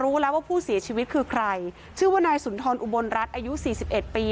ว่าผู้เสียชีวิตคือใครชื่อว่านายสุนทรอุบรรณรัฐอายุ๔๑ปี